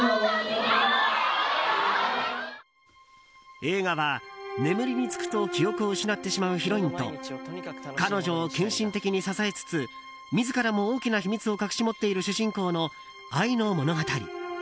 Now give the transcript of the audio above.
映画は、眠りにつくと記憶を失ってしまうヒロインと彼女を献身的に支えつつ自らも大きな秘密を隠し持っている主人公の愛の物語。